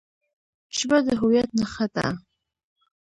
ژبه د هویت نښه ده.